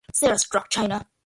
Sarah struck China.